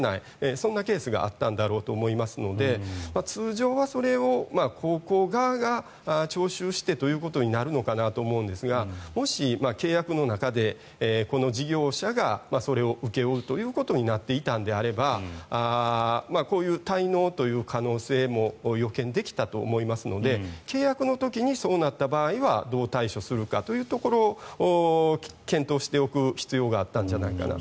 そんなケースがあったんだろうと思いますので通常はそれを高校側が徴収してということになるのかなと思うんですがもし契約の中でこの事業者がそれを請け負うということになっていたのであればこういう滞納という可能性も予見できたと思いますので契約の時にそうなった場合はどう対処するかというところを検討しておく必要があったんじゃないかなと。